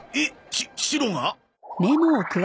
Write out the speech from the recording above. シシロが？